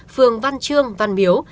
phường văn trương văn miếu